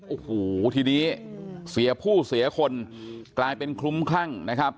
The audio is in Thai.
โอ้โหทีนี้เสียผู้เสียคนกลายเป็นคลุ้มคลั่งนะครับ